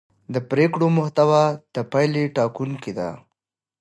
د پرېکړو محتوا د پایلې ټاکونکې ده